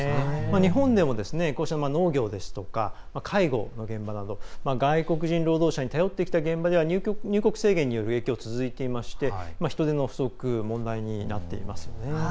日本でも、農業ですとか介護の現場など、外国人労働者に頼ってきた現場では入国制限による影響が続いていまして人手の不足が問題になっていますよね。